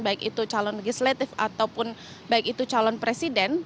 baik itu calon legislatif ataupun baik itu calon presiden